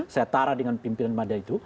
setara dengan pimpinan mada itu